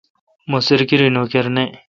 مہ سرکیری نوکر نہ۔